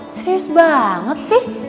serius banget sih